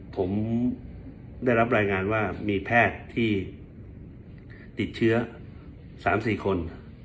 ผมได้รับรายงานว่ามีแพทย์ที่ติดเชื้อ๓๔คน